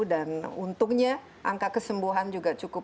dan untungnya angka kesembuhan juga cukup